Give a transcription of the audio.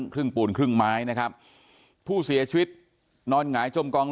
ปูนครึ่งไม้นะครับผู้เสียชีวิตนอนหงายจมกอง